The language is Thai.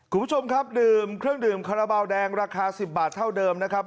คุณผู้ชมครับดื่มเครื่องดื่มคาราบาลแดงราคา๑๐บาทเท่าเดิมนะครับ